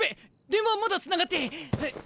電話まだつながって。